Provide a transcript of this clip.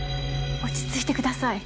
落ち着いてください